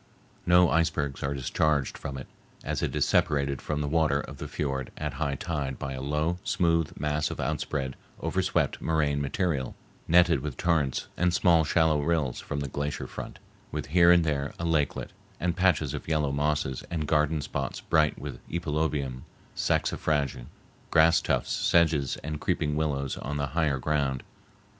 No icebergs are discharged from it, as it is separated from the water of the fiord at high tide by a low, smooth mass of outspread, overswept moraine material, netted with torrents and small shallow rills from the glacier front, with here and there a lakelet, and patches of yellow mosses and garden spots bright with epilobium, saxifrage, grass tufts, sedges, and creeping willows on the higher ground.